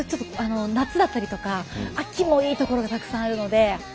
夏だったりとか秋もいい所がたくさんあるので。